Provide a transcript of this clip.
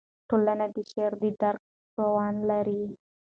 ټولنه د شعر د درک توان نه لري.